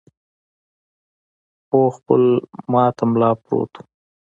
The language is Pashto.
پوخ پل ماته ملا پروت و.